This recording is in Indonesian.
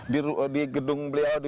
di gedung beliau di